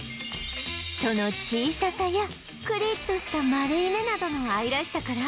その小ささやくりっとした丸い目などの愛らしさから